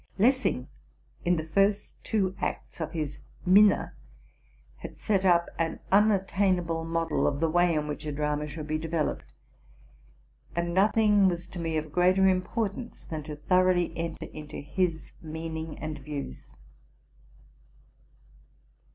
Lessing, in the first two acts of his '' Minna,'' had set up an unattaina ble model of the way in which a drama should be developed ; and nothing was to me of greater importance than to thoroughly enter into his meaning and views.